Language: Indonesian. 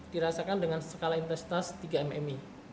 dirasakan dengan skala intensitas tiga mmi